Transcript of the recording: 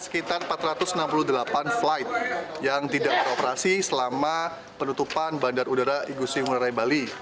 sekitar empat ratus enam puluh delapan flight yang tidak beroperasi selama penutupan bandar udara igusti ngurah rai bali